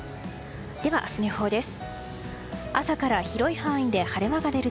では、明日の予報です。